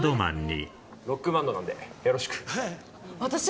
ロックバンドなんでよろしく。